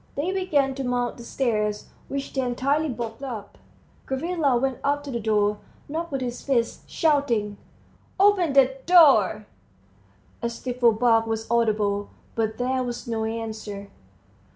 They began to mount the stairs, which they entirely blocked up. Gavrila went up to the door, knocked with his fist, shouting, "Open the door!" A stifled bark was audible, but there was no answer.